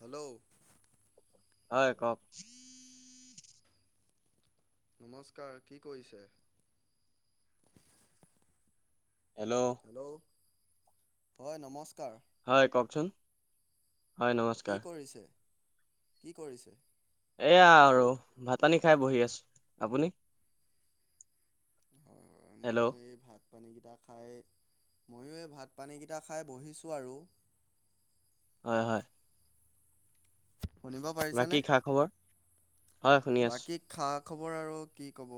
Hello হয় কওক। নমস্কাৰ কি কৰিছে? হেল্ল', হেল্ল, ' হয় নমস্কাৰ। হয় কওঁকচোন। কি কৰিছে কি কৰিছে? এয়া আৰু ভাত‌-পানী খাই বহি আছোঁ। আপুনি? হয় হয় ময়ো হেল্ল' এই ভাত ভাত পানীকেইটা খাই ময়ো এই ভাত পানীকেইটা খাই বহিছোঁ আৰু হয় হয়। শুনিব বাকী পাৰিছানে? খা খবৰ হয় শুনি আছো বাকী খা-খবৰ আৰু কি ক'ব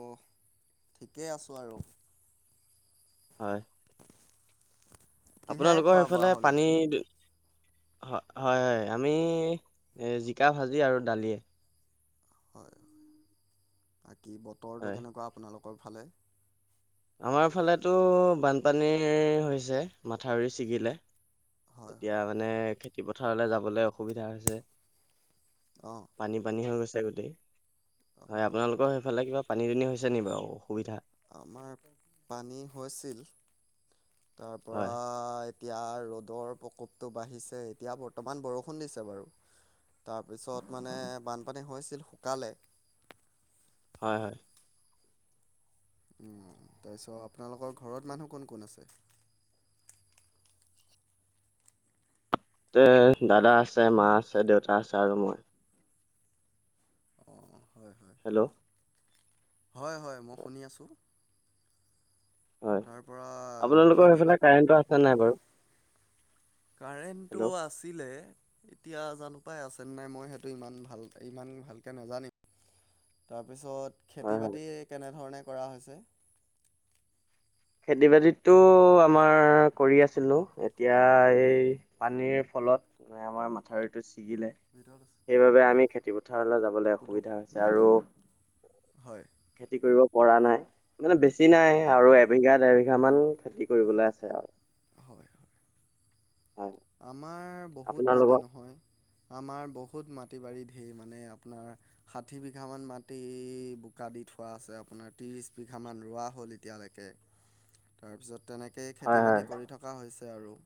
ঠিকেই আছোঁ আৰু - হয়। [inaudible] আপোনালোকৰ খোৱা বোৱা সেইফালে হ'ল পানী এতিয়া হয় হয় হয় আমি এই জিকা ভাজি আৰু দালি। হয় বাকী বতৰটো হয়। কেনেকুৱা আপোনালোকৰ ফালে? আমাৰ ফালেতো বানপানী হৈছে মাথাউৰি ছিগিলে। হয় হয় এতিয়া মানে খেতি পথাৰলৈ যাবলৈ অসুবিধা হৈছে। অঁ, পানী পানী হৈ গৈছে গোটেই হয় অঁ আপোনালোকৰ সেইফালে কিবা পানী দুনি হৈছে নেকি বাৰু অসুবিধা- আমাৰ পানী হৈছিল হয় তাৰপৰা- এতিয়া ৰ'দৰ প্ৰকোপটো বাঢ়িছে এতিয়া বৰ্তমান বৰষুণ দিছে বাৰু তাৰপিছত মানে বানপানী হৈছিল শুকালে। হয় হয়। উম তাৰপিছত আপোনালোকৰ ঘৰত মানুহ কোন কোন আছে? তে দাদা আছে, মা আছে, দেউতা আছে আৰু মই। অ হয় হয়। হেল্ল', হয় হয় মই শুনি আছোঁ। হয় তাৰ পৰা আপোনালোকৰ খেতি বা সেইফালে কাৰেণ্টটো আছে নাই বাৰু কাৰেণ্টটো হেল্ল' আছে। আছিলে এতিয়া জানো পাই আছে নাই মই সেইটো ইমান ভাল ইমান ভালকে নাজানিম। তাৰপিছত হয় খেতি হয় বাতি কেনেধৰণে কৰা হৈছে। খেতি বাতিটো আমাৰ কৰি আছিলোঁ এতিয়া এই পানীৰ ফলত মান আমাৰ মাথাউৰিটো ছিগিলে। ভিতৰত আছে। সেইবাবে আমি খেতি পথাৰলৈ যাবলৈ পুতৌ অসুবিধা হৈছে আৰু হয় খেতি কৰিব পৰা নাই মানে বেছি অঁ নাই হয় আৰু এবিঘা ডেৰবিঘা মান খেতি কৰিবলৈ আছে আৰু- হয় হয়। হয় আমাৰ বহুত মাটি আপোনালোকৰ নহয়। আমাৰ বহুত মাটি বাৰীত ঢেৰ মানে আপোনাৰ ষাঠি বিঘা মান মাটি বোকা দি থোৱা আছে আপোনাৰ ত্ৰিশ বিঘা মান ৰোৱা হ'লেই। এতিয়ালৈকে তাৰপিছত তেনেকে হয় খেতি- হয় বাতি কৰি থকা হৈছে আৰু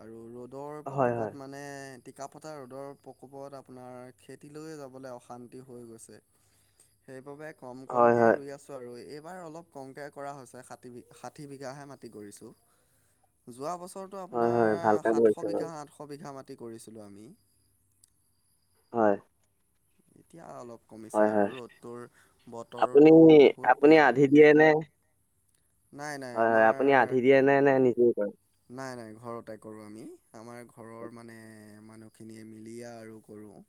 আৰু ৰ'দৰ হয় প্ৰকোপত হয় মাত্ৰাত। মানে টিকাপতা ৰ'দৰ প্ৰকোপত আপোনাৰ খেতি লৈয়ে যাবলৈ অশান্তি হৈ গৈছে। সেইবাবে কম হয় কমকে হয় ৰুই আছো- আৰু এইবাৰ অলপ কমকে কৰা হৈছে ষাঠি বি ষাঠি বিঘাহে মাটি কৰিছোঁ। যোৱা বছৰটো হয় আপোনাৰ হয় ভাল কাম কৰিছে সাতশ বাৰু বিঘা আঠশ বিঘা মাটি কৰিছিলোঁ আমি। হয়। এতিয়া অলপ কমিছে হয় হয় আৰু ৰ'দটোৰ বতৰটো বহুত বেয়া। দিয়েনে। নাই নাই হয় হয় আমাৰ আপুনি আধি দিয়ে নে নে নিজেই কৰে? নাই নাই ঘৰতে কৰোঁ আমি আমাৰ ঘৰৰ মানে মানুহখিনিয়ে মিলিয়া আৰু কৰোঁ।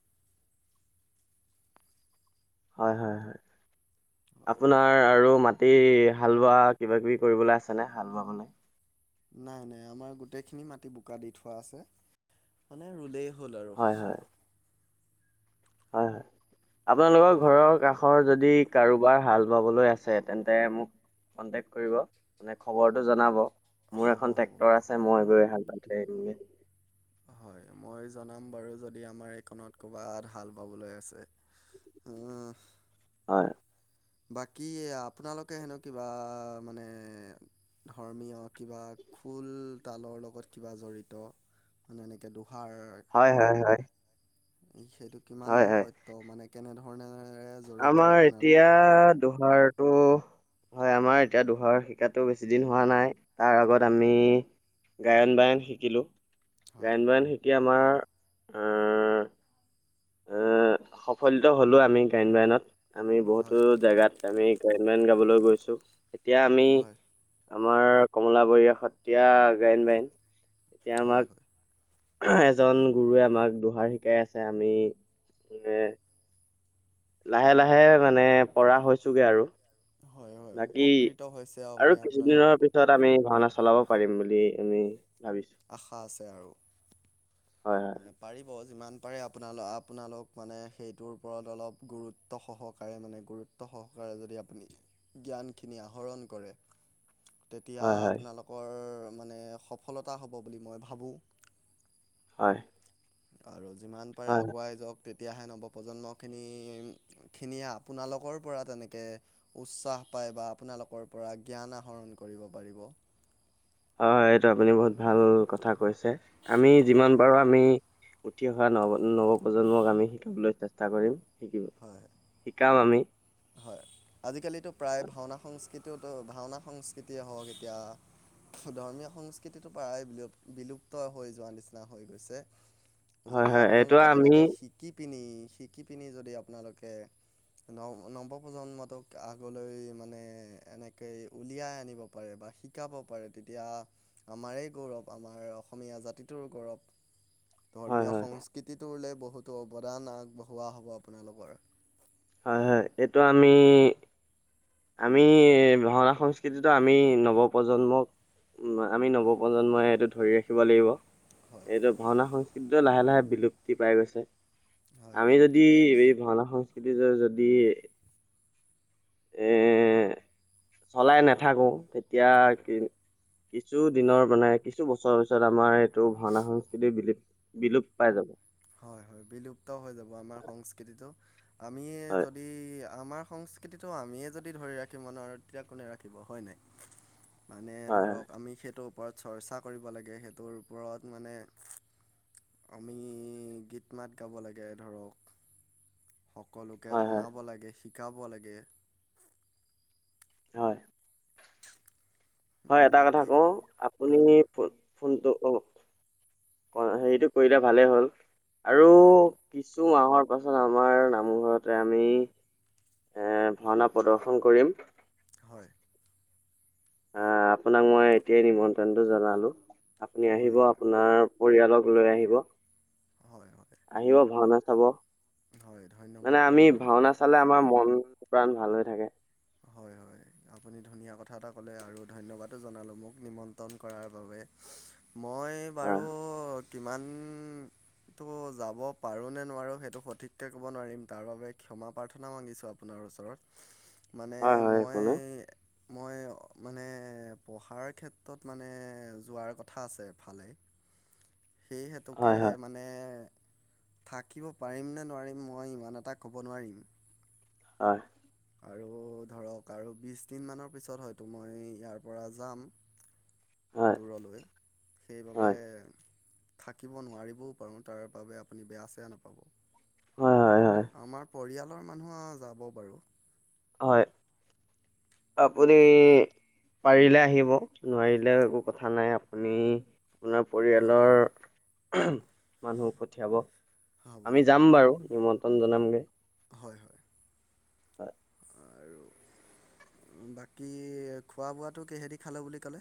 হয় হয় হয় আপোনাৰ আৰু মাট- টি হালোৱা কিবা কিবি কৰিবলৈ আছেনে হাল বাবলে? নাই নাই আমাৰ গোটেইখিনি মাটি বোকা দি থোৱা আছে, মানে ৰুলেই হ'ল আৰু। হয় হয় হয় হয় আপোনালোকৰ ঘৰৰ কাষ- ষৰ যদি কাৰোবাৰ হাল বাবলৈ আছে তেন্তে মোক- কনটেক্ট কৰিব মানে খবৰটো জনাব। মোৰ হ'ব এখন হ'ব ট্ৰেক্টৰ আছে মই গৈ হাল বাই থৈই আহমগৈ। হয় মই জনাম বাৰু যদি আমাৰ এইকণত ক'ৰবাত হাল বাবলৈ আছে। উ। হয়। বাকী আপোনালোকে হেনো কিবা মানে- ধৰ্মীয় কিবা খোল তালৰ লগত কিবা জড়িত- মানে এনেকৈ দুসাৰ। হয় হয় হয়। সেইটো কিমান হয় দূৰ হয় সত্য মানে কেনেধৰণে? আমাৰ এতিয়া- দুহাৰতটো হয় আমাৰ এতিয়া দুহাৰ শিকাতো বেছি দিন হোৱা নাই। তাৰ আগত হয় আমি, গায়ন-বায়ন শিকিলোঁ, হয় গায়ন বায়ন শিকা- এতিয়া আমাৰ অ- অ সফলিত হ'লো আমি গ্ৰায়ণবায়নত আমি বহুতো হয় জেগাত- আমি গায়ন-বায়ন গাবলৈ গৈছো এতিয়া আমি হয় আমাৰ কমলাবৰয়াসত- এতিয়া গায়ন বায়ন এতিয়া হয় আমাক- হয় এজন গুৰুৱে আমাক দোহাৰ শিকাই আছে আমি মানে - লাহে লাহে মানে পৰা হৈছোগে আৰু। হয় হয় বাকী উপকৃত হৈছে মানে আৰু আপোনালোক কিছুদিনৰ পিছত- পিছত আমি ভাওনা চলাব পাৰিম বুলি আমি ভাবিছো। আশা আছে আৰু- হয় মানে- পাৰিব যিমান পাৰে আপোনাল আপোনালোক মানে সেইটোৰ ওপৰত অলপ গুৰুত্ব সহকাৰে মানে গুৰুত্ব- ত্ব সহকাৰে যদি আপুনি জ্ঞানখিনি আহৰণ কৰে। তেতিয়া হয় হয় আপোনালোকৰ মানে সফলতা হ'ব বুলি মই ভাবোঁ। হয়। আৰু যিমান পাৰে হয় আগুৱাই যাওক তেতিয়াহে নৱপ্ৰজন্মখিনি- খিনিয়ে আপোনালোকৰ পৰা তেনেকে- উৎসাহ পায় বা আপোনালোকৰ পৰা জ্ঞান আহৰণ কৰিব পাৰিব। হয় হয় এইটো আপুনি বহুত ভাল কথা কৈছে আমি যিমান হয় পাৰোঁ আমি- উঠি অহা নৱ নৱপ্ৰজন্মক আমি শিকাবলৈ চেষ্টা কৰিম শিকিব হয় শিকাম আমি। হয় আজিকালিতো প্ৰায় ভাওনা সংস্কৃতিওতো ভাওনা সংস্কৃতিয়ে হওঁক এতিয়া ধৰ্মীয় সংস্কৃতিটো প্ৰায় বিলুপ বিলুপ্ত হৈ যোৱা নিচিনা হৈ গৈছে। হয় যদি হয় এইটো আপোনালোকে আমি তেনেকে শিকি পিনি শিকি পিনি যদি আপোনালোকে নৱ নৱপ্ৰজন্মটোক আগলৈ মানে এনেকে উলিয়াই আনিব পাৰে বা শিকাব পাৰে তেতিয়া আমাৰেই গৌৰৱ আমাৰ অসমীয়া জাতিটোৰ গৌৰৱ। হয় ধৰ্মীয় হয় সংস্কৃতিটোলে বহুতো অৱদান আগবঢ়োৱা হ'ব আপোনালোকৰ। হয় হয় এইটো আমি আমি ভাওনা সংস্কৃতিতো আমি নৱপ্ৰজন্মক আমি নৱপ্ৰজন্মই এইটো ধৰি ৰাখিব লাগিব। হয় এইটো, ভাওনা সংস্কৃতিটো লাহে লাহে বিলুপ্তি পাই গৈছে। হয় আমি যদি বিলুপ্তি পাই এনেই গৈছে ভানা সংস্কৃতিটো যদি এ চলাই নেথাকোঁ তেতিয়া হয় কি কিছু দিনৰ মানে কিছু বছৰৰ পিছত আমাৰ এইটো ভাওনা সংস্কৃতিৰ বিলুপ বিলুপ পাই যাব। হয় হয় বিলুপ্ত হৈ যাব আমাৰ সংস্কৃতিটো আমিয়ে হয় যদি আমাৰ সংস কৃতিটো আমিয়ে যদি ধৰি ৰাখিবম নোৱাৰো তেতিয়া কোনে ৰাখিব, হয় নাই? মানে হয় ধৰক আমি সেইটোৰ ওপৰত চৰ্চা কৰিব লাগে সেইটোৰ ওপৰত মানে আমি, গীত মাত গাব লাগে ধৰক। সকলোকে হয় হয় জনাব লাগে, শিকাব লাগে। হয়। হয়, উম, এটা কথা বাকী কওঁ আপুনি হয় ফো ফোনটো অ, হেইটো কৰিলে ভালেই হ'ল আৰু হয়। কিছু মাহৰ পাছত আমাৰ নামঘৰতে আমি এ ভাওনা প্ৰদৰ্শন কৰিম। হয়। আঁ, আপোনাক মই এতিয়াই নিমন্ত্ৰণটো জনালো আপুনি হয় আহিব হয় আপোনাৰ পৰিয়ালক লৈ আহিব। হয় হয়। আহিব ভাওনা চাব, হয় মানে ধন্যবাদ বাৰু আমি মোক ভাওনা চা চালে আমাৰ মন প্ৰাণ ভাল হৈ থাকে। হয় হয়। ‌আপুনি ধুনীয়া কথা এটা ক'লে আৰু ধন্যবাদো জনালোঁ মোক নিমন্ত্ৰণ তন কৰাৰ বাবে। মই বাৰু হয় কিমান টো যাব পাৰো নে নোৱাৰো সেইটো সঠিককে ক'ব নোৱাৰিম, তাৰ বাবে ক্ষমা প্ৰাৰ্থনা মাগিছো আপ আপোনাৰ ওচৰত, মানে হয় হয় একো নাই মই মই অ মানে পঢ়াৰ ক্ষেত্ৰত মানে যোৱাৰ কথা আছে এফালে। সেইহেতুকে হয় হয় মানে মানে থাকিব পাৰিম নে নোৱাৰিম, মই ইমান এটা ক'ব নোৱাৰিম। আঁ, আৰু ধৰক আৰু বিশদিন দিনমানৰ পিছত হয়তো মই ইয়াৰ পৰা যাম। হয় দূৰলৈ সেইবাবে হয় থাকিব নোৱাৰিবও পাৰোঁ, তাৰ বাবে আপুনি বেয়া চেয়া নাপাব। হয় হয় হয়। আমাৰ পৰিয়ালৰ মানুহ যাব বাৰু হয় আপুনি? পাৰিলে আহিব নোৱাৰিলেও একো কথা নাই আপুনি আপোনাৰ হয় পৰিয়ালৰ মানুহ পঠিয়াব হ'ব আমি হ'ব যাম বাৰু নিয়মত। আসন জনামগে হয় হয় অ আৰু বাকী খোৱা বোৱাটো কেহেদি খালে বুলি ক'লে?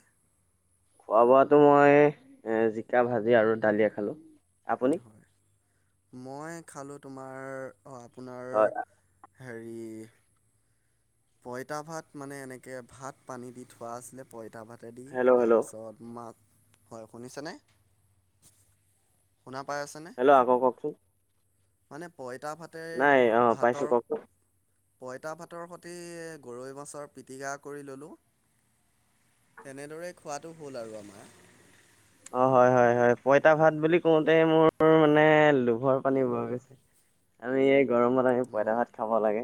খোৱা বোৱাটো মই জিকা ভাজি আৰু দালিয়ে খালোঁ। আপুনি হয় মই খালোঁ তোমাৰ অ আপোনাৰ হয় হৰি পঁইতা ভাত মানে এনেকে ভাত পানী দি থোৱা আছিলে পঁইতা ভাতে দি হেল্ল' হেল্ল' তাৰপিছত মাক হয় শুনিছেনে শুনা পাই আছেনে? হেল্ল' আকৌ কওকচোন মানে পঁইতা ভাতে নাই অ পাইছোঁ ভাতৰ কওকচোন পঁইতা ভাতৰ সৈতে গৰৈ মাছৰ পিটিকা কৰি ললোঁ তেনেদৰে খোৱাটো হ'ল আৰু আমাৰ অ হয় হয় হয় হয় পইতা ভাত বুলি কওঁতে মোৰ মানে লোভৰ পানী বৈ গৈছে। আমি এই গৰমত আমি পঁইতা হয় ভাত খাব লাগে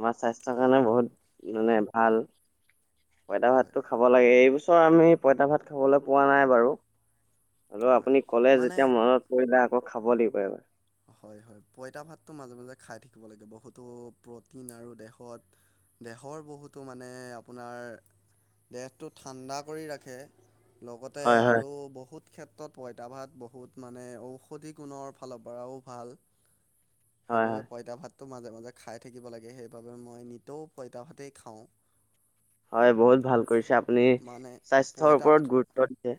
আমাৰ স্বাস্থ্যৰ হয় কাৰণে বহুত মানে ভাল পইতা হয় ভাতটো খাব লাগে এই বস্তু চ আমি পইতা ভাত খাবলৈ পোৱা নাই বাৰু আৰু হয় আপুনি ক'লে মানে যেতিয়া মনত কৈ দিলে আকৌ খাব লাগিব এবাৰ হয় হয় পঁইতা ভাতটো মাজে মাজে খাই থাকিব লাগে বহুতো প্ৰটিন আৰু দেহত দেহৰ বহুতো মানে আপোনাৰ দেহটো ঠাণ্ডা কৰি ৰাখে। লগতে হয় হয় আৰু বহুত ক্ষেত্ৰত পঁইতাভাত বহুত মানে ঔষধি গুণৰ ফালৰ পৰা পৰাও ভাল হয় হয় সেইবাবে পঁইতা ভাত মাজে মাজে খাই থাকিব লাগে সেইবাবে মই নিতৌ পইতা ভাতেই খাওঁ। হয় বহুত ভাল কৰিছে আপুনি মানে স্বাস্থ্যৰ পঁইতা ভাত ওপৰত গুৰুত্ব দিছে।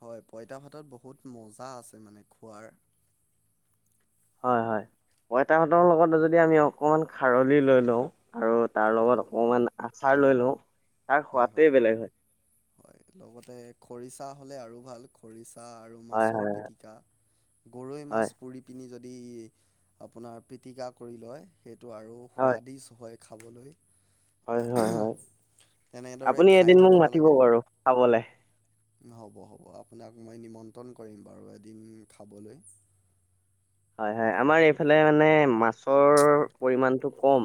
হয় পইতা ভাতত বহুত মজা আছে মানে খোৱাৰ হয় হয় পইতাভাতৰ লগত যদি আমি অকণমান খাৰলি লৈ লওঁ আৰু তাৰ অঁ লগত অকণমান আচাৰ লৈ লওঁ তাৰ হয় সোৱাদটোৱে হয় বেলেগ হয় লগতে খৰিচা হ'লে আৰু ভাল খৰিচা আৰু হয় হয়। মাছৰ পিটিকা, ‌ গৰৈ মাছ হয়, পুৰি কিনি যদি আপোনাৰ পিটিকা কৰি লই সেইটো আৰু হয়, সুৱাদিছ হয়। খাবলৈ হয় হয় হয় তেনেদৰে আপুনি খাই এদিন মোক থাকিব মাতিব লাগে বাৰু খাবলে হ'ব হ'ব আপোনাক মই নিমন্ত্ৰণ কৰিম বাৰু এদিন খাবলৈ হয় হয় আমাৰ এইফালে মানে মাছৰ পৰিমাণটো কম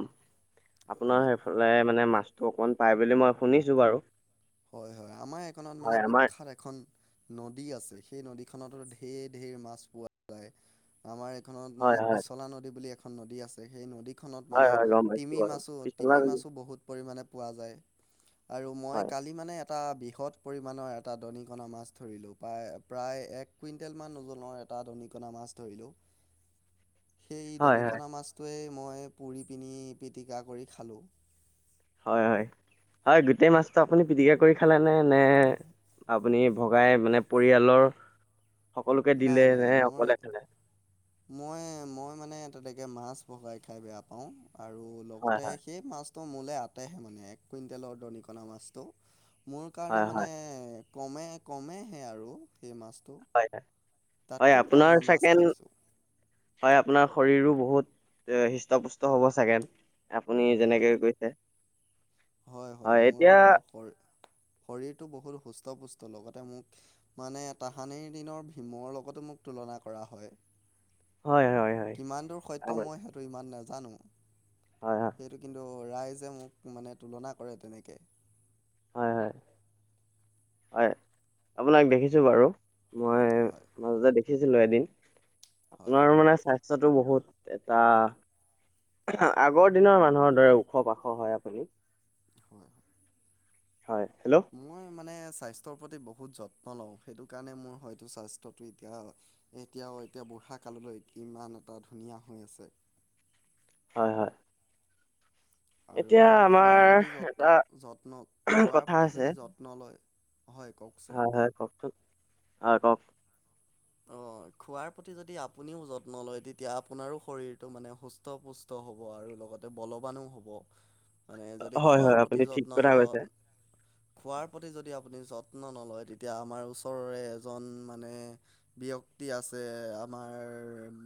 আপোনাৰ হয় লে মানে মাছটো অকমান পাই বুলি মই শুনিছো বাৰু হয় হয় আমাৰ এইখনত মানে হয়, আমাৰ বিখ্যাত এখন নদী আছে সেই নদীখনতো ঢেৰ ঢেৰ মাছ পোৱা যায়। আমাৰ এইখনত হয়, মানে হয়, পিছলা নদী বুলি এখন নদী আছে সেই নদী খনত হয়, মানে হয়, গম পাইছো তিমি বাৰু মাছো, পিছলা তিমি মাছো বহুতো পৰিমাণে পোৱা যায় আৰু মই হয়, কালি মানে এটা বৃহৎ পৰিমাণৰ এটা দনিকণা মাছ ধৰিলোঁ প্ৰায় প্ৰায় এক কুইণ্টেলমান ওজনৰ এটা দৰিকনা মাছ ধৰিলোঁ সেই হয়, হয়, দনিকনা মাছটোৱেই মই পুৰি পিনি পিটিকা কৰি খালোঁ হয়-হয়-হয় গোটেই মাছটো আপুনি পিটিকা কৰি খালে নে [inaudible] নে আপুনি ভগাই মানে পৰিয়ালৰ সকলোকে দিলে নে অকলে খালে? [unintelligible] মই-মই মানে তেনেকৈ মাছ ভগাই খাই বেয়া পাওঁ আৰু হয়, লগতে হয়, [unintelligible] সেই মাছটো মোলে আটেহে হে মানে এক কুইণ্টেলৰ দৰিকনা মাছটো। [unintelligible] মোৰ কাৰণে হয়, মানে হয়, কমে-কমেহে আৰু সেই মাছটো। [unintelligible] হয়-হয় [unintelligible] হয় তাতকৈও আপোনাৰ ডাঙৰ মাছ চেকেণ্ড খাইছোঁ হয় আপোনাৰ শৰীৰো বহুত [unintelligible] হৃষ্টপুষ্ট হ'ব চাগে আপুনি যেনেকে কৈছে [inaudible] হয়-হয় হয় মোৰ এতিয়া শৰীৰ-শৰীৰটো বহুত সুস্থ, পুষ্ট লগতে মোক [inaudible] মানে তাহানিৰ দিনৰ ভীমৰ লগতো মোক তুলনা কৰা হয়। হয়-হয়-হয়। কিমান দূৰ সত্য মই সেইটো ইমান নাজানো। হয় সেইটো কিন্তু ৰাইজে মোক মানে তুলনা কৰে তেনেকে [inaudible] হয়-হয় [unintelligible] হয় আপোনাক দেখিছোঁ বাৰু মই হয়। মাজতে দেখিছিলো এদিন [unintelligible] হয় আপোনাৰ মানে স্বাস্থ্যটো বহুত এটা [unintelligible] আগৰ দিনৰ মানুহৰ দৰে ওখ পাখ হয় আপুনি। [inaudible] হয়। হেল্ল' মই মানে স্বাস্থ্যৰ প্ৰতি বহুত যত্ন লওঁ, সেইটো কাৰণে মোৰ হয়তো স্বাস্থ্যটো এতিয়া এতিয়াও এতিয়া বুঢ়া কাললৈ ইমান এটা ধুনীয়া হৈ আছে। হয়-হয়। আৰু আমাৰ খোৱাৰ প্ৰতি এটা যত্ন-যত্ন, খোৱাৰ কথা প্ৰতি যদি যত্ন লয় [unintelligible] হয়, কওকচোন [unintelligible] হয়-হয় কওকচোন, হয় কওক? [unintelligible] অ খোৱাৰ প্ৰতি যদি আপুনিও যত্ন লয়, তেতিয়া আপোনাৰো শৰীৰটো মানে সুস্থ [unintelligible] সুস্থ-পুষ্ট হ'ব আৰু লগতে বলৱানো হ'ব। মানে যদি হয় হয় খোৱাৰ প্ৰতি আপুনি ঠিক যত্ন কথা লওঁ কৈছে [unintelligible] খোৱাৰ প্ৰতি যদি আপুনি যত্ন নলয়, তেতিয়া আমাৰ ওচৰৰে এজন মানে [inaudible] ব্যক্তি আছে আমাৰ [unintelligible]